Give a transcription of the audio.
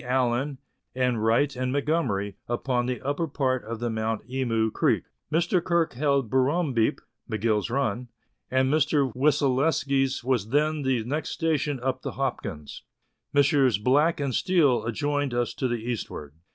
Allan, and Wright and Montgomerie, upon the upper part of the Mount Emu Creek. Mr. Kirk held Bur rumbeep (McGill's run), and Mr. Wyselaskie's was then the next station upon the Hopkins. Messrs. Black and Steele adjoined us to the eastward.